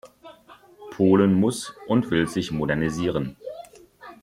Polen muss und will sich modernisieren.